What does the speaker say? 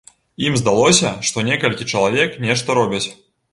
Ім здалося, што некалькі чалавек нешта робяць.